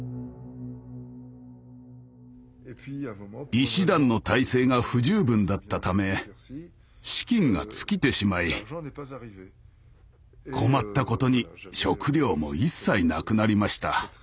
医師団の体制が不十分だったため資金が尽きてしまい困ったことに食料も一切なくなりました。